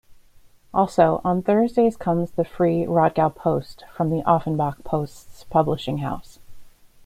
Also, on Thursdays comes the free "Rodgau-Post" from the "Offenbach-Post's" publishing house.